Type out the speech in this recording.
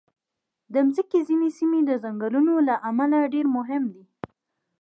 د مځکې ځینې سیمې د ځنګلونو له امله ډېر مهم دي.